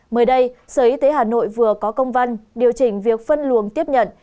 mới đây sở y tế hà nội vừa có công văn điều chỉnh việc phân luồng tiếp nhận